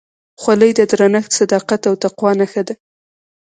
خولۍ د درنښت، صداقت او تقوا نښه ده.